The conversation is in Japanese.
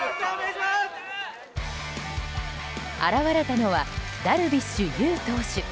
現れたのはダルビッシュ有投手。